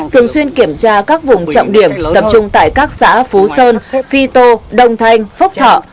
thường xuyên kiểm tra các vùng trọng điểm tập trung tại các xã phú sơn phi tô đông thanh phúc thọ